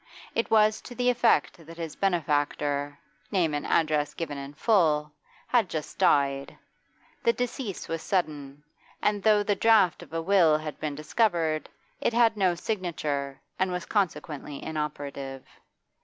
It was to the effect that his benefactor name and address given in full had just died. The decease was sudden, and though the draft of a will had been discovered, it had no signature, and was consequently inoperative.